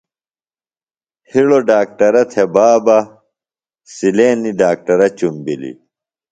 ہڑوۡ ڈاکٹرہ تھےۡ بابہ، سِلینیۡ ڈاکٹرہ چُمبِلیۡ